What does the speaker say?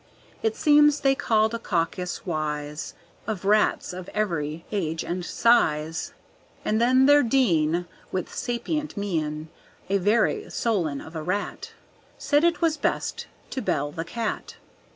It seems they called a caucus wise Of rats of every age and size, And then their dean, With sapient mien, A very Solon of a rat, Said it was best to bell the cat.